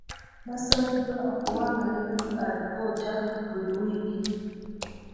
Baasabiddwa okuwangayo alipoota buli wiiki.